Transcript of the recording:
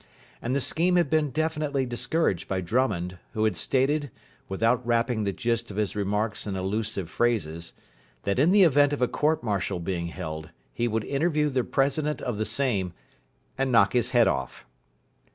And the scheme had been definitely discouraged by Drummond, who had stated, without wrapping the gist of his remarks in elusive phrases, that in the event of a court martial being held he would interview the president of the same and knock his head off.